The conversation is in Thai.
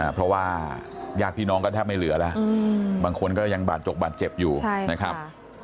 เพราะว่าญาติพี่น้องก็แทบไม่เหลือแล้วบางคนก็ยังบาดจกบาดเจ็บอยู่นะครับ